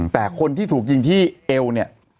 แต่คนที่ถูกยิงที่เอวเนี่ย